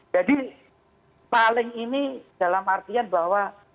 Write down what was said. jadi paling ini dalam artian bahwa